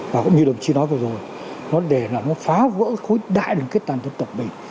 và cũng như đồng chí nói vừa rồi nó để là nó phá vỡ khối đại đồng kết tàn dân tập mình